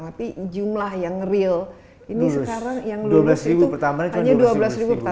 tapi jumlah yang real ini sekarang yang lulus itu hanya dua belas